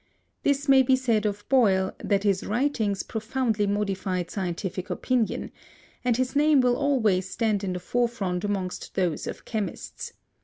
This may be said of Boyle, that his writings profoundly modified scientific opinion, and his name will always stand in the forefront amongst those of chemists.